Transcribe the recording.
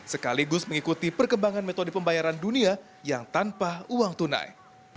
sekaligus mengikuti perkembangan metode pembayaran dunia yang tanpa uang tunai